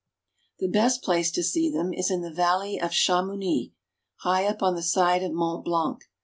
The best place to see them is in the Valley of Chamouni (sha moo ne'), high up on the side of Mont Blanc.